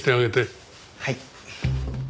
はい。